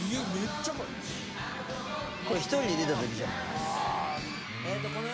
これ一人で出た時じゃん。